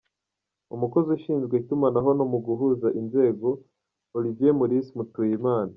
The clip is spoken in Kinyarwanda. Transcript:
-Umukozi Ushinzwe Itumanaho no guhuza Inzego, Olivier Maurice Mutuyimana